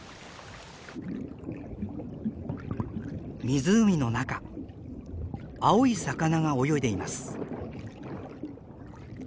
湖の中青い魚が泳いでいます。